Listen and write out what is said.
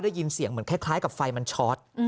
ได้ยินเสียงเหมือนคล้ายกับไฟมันช็อต